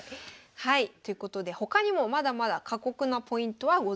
はいということで他にもまだまだ過酷なポイントはございます。